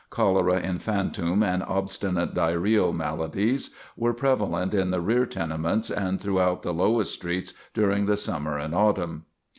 Cholera infantum and obstinate diarrhoeal maladies were prevalent in the rear tenements and throughout the lowest streets during the summer and autumn.